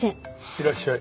いらっしゃい。